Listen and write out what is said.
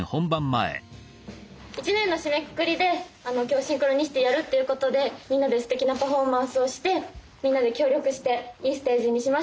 一年の締めくくりで今日「シンクロニシティ」やるっていうことでみんなですてきなパフォーマンスをしてみんなで協力していいステージにしましょう。